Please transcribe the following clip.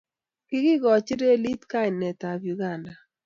kikikochi relit kainetab Uganda.